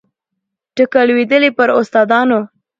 ټکه لوېدلې پر استادانو